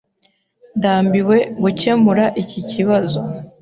Ndambiwe gukemura iki kibazo.